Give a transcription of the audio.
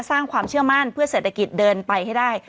สร้างความเชื่อมั่นเพื่อเศรษฐกิจเดินไปให้ได้